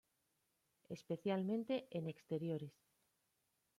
Especialmente en exteriores.